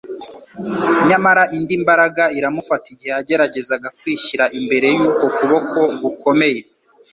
nyamara indi mbaraga iramufata igihe yageragezaga kwishyira imbere y'uko kuboko gukomeye,